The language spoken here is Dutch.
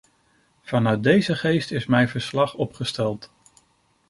Vanuit deze geest is mijn verslag opgesteld.